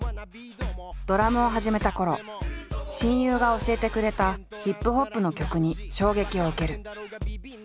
ドラムを始めたころ親友が教えてくれたＨＩＰＨＯＰの曲に衝撃を受ける。